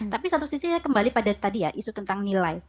tapi satu sisi saya kembali pada tadi ya isu tentang nilai